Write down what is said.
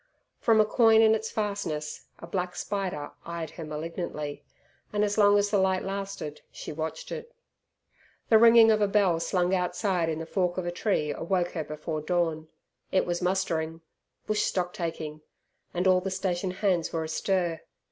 From a coign in its fastness a black spider eyed her malignantly, and as long as the light lasted she watched it. The ringing of a bell slung outside in the fork of a tree awoke her before dawn. It was mustering bush stocktaking and all the stationhands were astir.